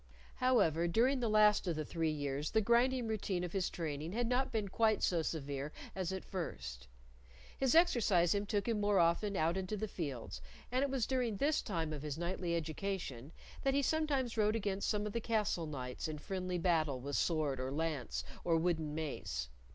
However, during the last of the three years the grinding routine of his training had not been quite so severe as at first. His exercises took him more often out into the fields, and it was during this time of his knightly education that he sometimes rode against some of the castle knights in friendly battle with sword or lance or wooden mace.